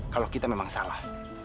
kalau kita memang salah